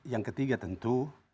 yang ketiga tentu